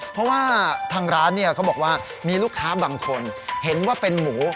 เพราะว่าทางร้านเนี่ยเขาบอกว่ามีลูกค้าบางคนเห็นว่าเป็นหมู